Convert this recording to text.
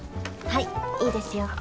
はいいいですよ。